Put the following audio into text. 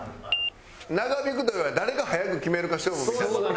長引くというよりは誰が早く決めるか勝負みたいな。